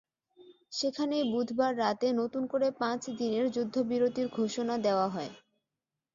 সেখানেই বুধবার রাতে নতুন করে পাঁচ দিনের যুদ্ধবিরতির ঘোষণা দেওয়া হয়।